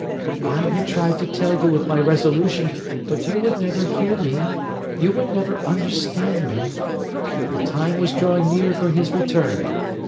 I had tried to tell you of my resolution, but you would never hear me; you would never understand me. The time was drawing near for his return.